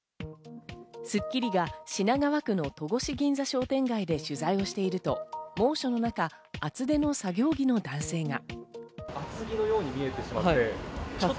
『スッキリ』が品川区の戸越銀座商店街で取材をしていると、猛暑の中、厚手の作業着の男性が。